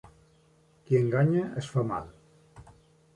Qui enganya es fa mal.